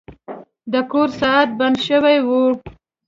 د کور ساعت بند شوی و.